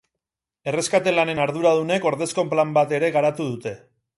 Erreskate lanen arduradunek ordezko plan bat ere garatu dute.